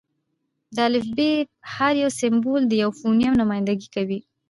د الفبې: هر سېمبول د یوه فونیم نمایندګي کوي.